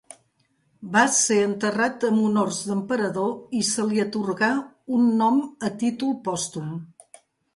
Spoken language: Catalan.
Va ser enterrat amb honors d'emperador i se li atorgà un nom a títol pòstum.